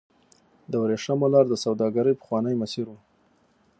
د ورېښمو لار د سوداګرۍ پخوانی مسیر و.